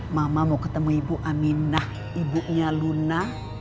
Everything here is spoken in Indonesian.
mama mau ketemu ibu aminah ibunya luna